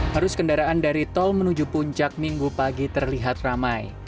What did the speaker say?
harus kendaraan dari tol menuju puncak minggu pagi terlihat ramai